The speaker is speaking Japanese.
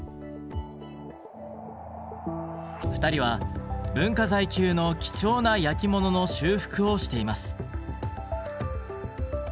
２人は文化財級の貴重な焼き物の修復をしています。